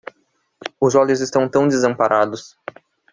Os olhos estão tão desamparados